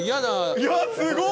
いやすごっ！